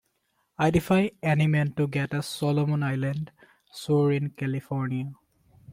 I defy any man to get a Solomon Island sore in California.